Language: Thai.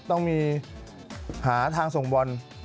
ต้องมีหาทางส่งบอล